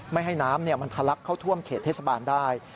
ไม่ให้น้ำมันทะลักเข้าท่วมเขตเทศบาลได้